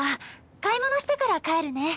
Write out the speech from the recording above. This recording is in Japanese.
買い物してから帰るね。